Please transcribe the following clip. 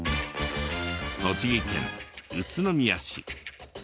栃木県宇都宮市。